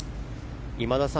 今田さん